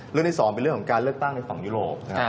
เรื่องที่๒เป็นเรื่องของการเลือกตั้งในฝั่งยุโรป